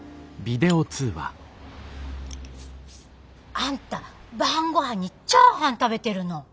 あんた晩ごはんにチャーハン食べてるの？